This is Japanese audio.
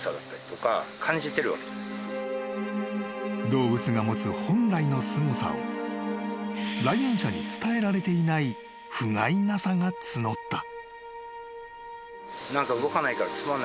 ［動物が持つ本来のすごさを来園者に伝えられていないふがいなさが募った］